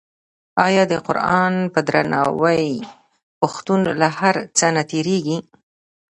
آیا د قران په درناوي پښتون له هر څه نه تیریږي؟